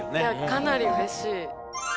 かなりうれしい。